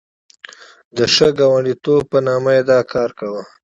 د ښه ګاونډیتوب په نامه یې دا کار کاوه.